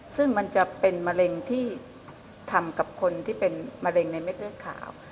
ซึ่งมันจะเป็นมะเร็งที่ทำกับคนที่เป็นมะเร็งในเม็ดเลือดขาว